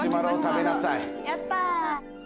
やった。